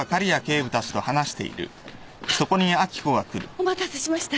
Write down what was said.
お待たせしました。